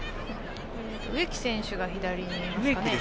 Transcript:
植木選手が左にいますかね。